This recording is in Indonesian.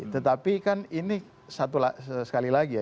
tetapi kan ini satu sekali lagi ya